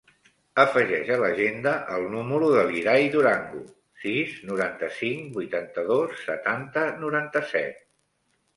Afegeix a l'agenda el número de l'Irai Durango: sis, noranta-cinc, vuitanta-dos, setanta, noranta-set.